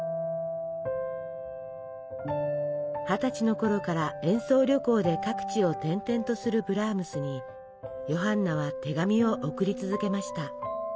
二十歳のころから演奏旅行で各地を転々とするブラームスにヨハンナは手紙を送り続けました。